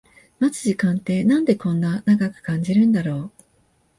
待つ時間ってなんでこんな長く感じるんだろう